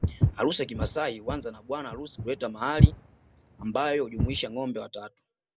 Harusi ya kimaasai huanza na bwana harusi kuleta mahari ambayo hujumuisha ngombe watatu